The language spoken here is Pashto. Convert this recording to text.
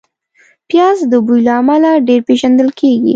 پیاز د بوی له امله ډېر پېژندل کېږي